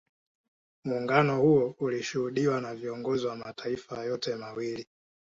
Muungano huo ulishuhudiwa na viongozi wa mataifa yote mawili